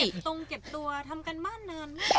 ตรงเก็บตัวทำการบ้านนานมาก